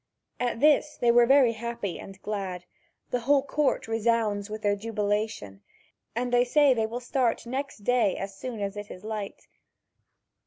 At this they were very happy and glad; the whole court resounds with their jubilation, and they say they will start next day as soon as it is light.